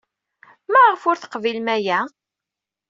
Maɣef ur teqbilem aya?